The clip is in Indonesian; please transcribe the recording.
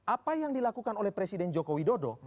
apa yang dilakukan oleh presiden jokowi dodo